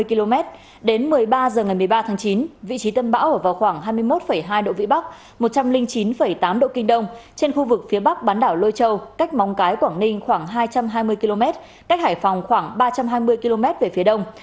một mươi km đến một mươi ba h ngày một mươi ba tháng chín vị trí tâm bão ở vào khoảng hai mươi một hai độ vĩ bắc một trăm linh chín tám độ kinh đông trên khu vực phía bắc bán đảo lôi châu cách móng cái quảng ninh khoảng hai trăm hai mươi km cách hải phòng khoảng ba trăm hai mươi km về phía đông